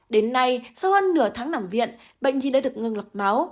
đến nay sau hơn nửa tháng nằm viện bệnh nhi đã được ngưng lọc máu